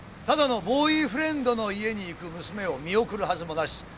ただのボーイフレンドの家に行く娘を見送るはずもなし。